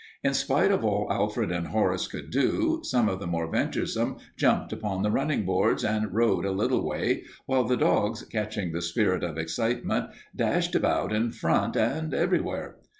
In spite of all Alfred and Horace could do, some of the more venturesome jumped upon the running boards and rode a little way, while the dogs, catching the spirit of excitement, dashed about in front and everywhere.